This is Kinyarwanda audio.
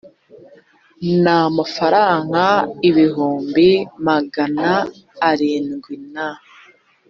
n amafaranga ibihumbi magana arindwi na